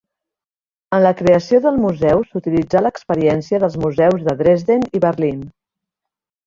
En la creació del museu s'utilitzà l'experiència dels museus de Dresden i Berlín.